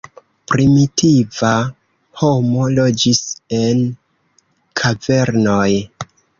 Primitiva homo loĝis en kavernoj.